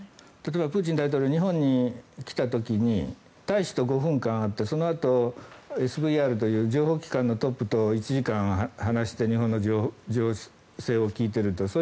例えばプーチン大統領が日本に来た時に大使と５分間会ってそのあとＳＶＲという情報機関のトップと１時間話をして日本の情勢を聞いていると。